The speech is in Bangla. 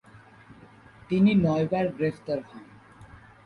তিনি নয়বার গ্রেফতার হন।